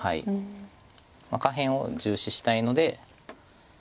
下辺を重視したいので。